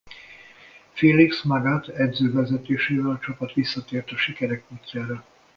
Felix Magath edző vezetésével a csapat visszatért a sikerek útjára.